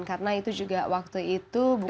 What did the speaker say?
karena itu juga waktu itu bukan